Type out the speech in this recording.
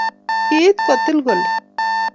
Kiit kotil kole